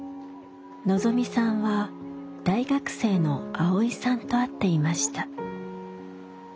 のぞみさんは大学生のアオイさんと会っていました。